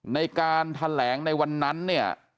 ในการแถลงในวันนั้นเนี่ย